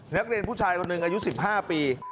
นักเรียนผู้ชายคนหนึ่งอายุ๑๕ปี